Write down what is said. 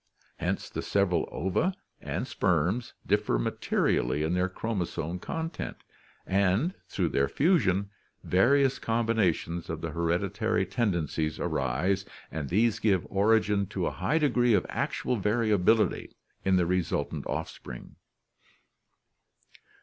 Hence the several ova and sperms differ materially in their chromosome content and, through their fusion, various combinations of the hereditary tendencies arise and these give origin to a high degree of actual variability in the resultant offspring.